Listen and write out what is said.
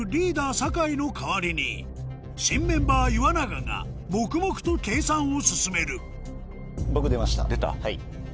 酒井の代わりに新メンバー岩永が黙々と計算を進める出た？